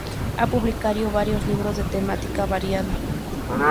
Ha publicado varios libros de temática variada.